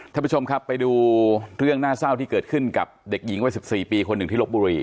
ท่านผู้ชมครับไปดูเรื่องน่าเศร้าที่เกิดขึ้นกับเด็กหญิงวัย๑๔ปีคนหนึ่งที่ลบบุรี